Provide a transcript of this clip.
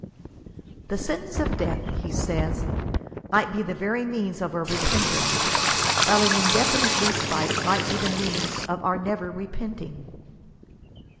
The sentence of death,*' he says, "might be the very means of our repentance, while an indefinite respite might be the means of our never repenting."